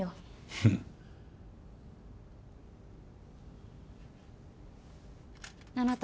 フンあなた